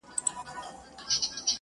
• خپل که پردي دي، دلته پلونه وینم -